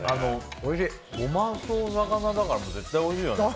ゴマとお魚とか絶対おいしいよね。